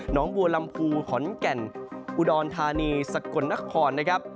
น้องบัวลำพูขอนแก่นอุดรธานีสกลนครนะครับ